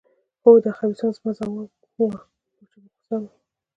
هو، دا خبیثان. زما ځواب و، چې په غوسه وو.